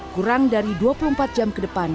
kurang dari dua puluh empat jam ke depan